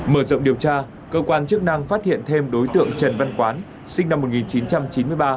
mở rộng điều tra cơ quan chức năng phát hiện thêm đối tượng trần văn quán sinh năm một nghìn chín trăm chín mươi ba